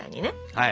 はい。